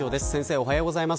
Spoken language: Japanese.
おはようございます。